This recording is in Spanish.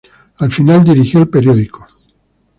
Al final dirigió el periódico.